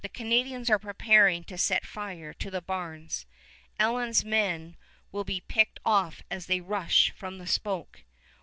The Canadians are preparing to set fire to the barns. Allen's men will be picked off as they rush from the smoke.